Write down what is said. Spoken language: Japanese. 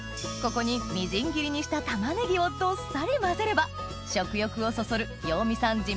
ここにみじん切りにしたタマネギをどっさり混ぜれば食欲をそそる要美さん